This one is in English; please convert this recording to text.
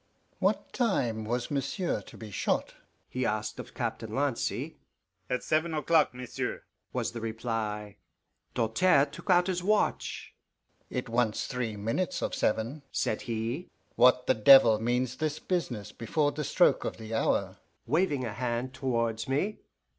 "What time was monsieur to be shot?" he asked of Captain Lancy. "At seven o'clock, monsieur," was the reply. Doltaire took out his watch. "It wants three minutes of seven," said he. "What the devil means this business before the stroke o' the hour?" waving a hand towards me.